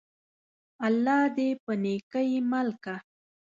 الله دي په نيکۍ مل که!